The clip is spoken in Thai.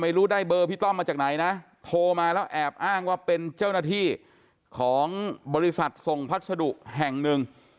ได้เบอร์พี่ต้อมมาจากไหนนะโทรมาแล้วแอบอ้างว่าเป็นเจ้าหน้าที่ของบริษัทส่งพัสดุแห่งหนึ่ง